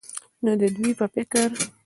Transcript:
نو د دوي په فکر